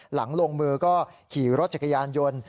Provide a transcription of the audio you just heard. หลังลงมือก็ขี่รถจักรยานยนต์